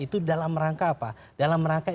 itu dalam rangka apa dalam rangka